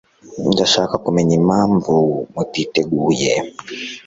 Ndashaka kumenya impamvu mutiteguye